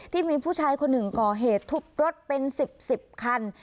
ที่มีผู้ชายคนหนึ่งก่อเหตุทุบรถเป็น๑๐๑๐คัน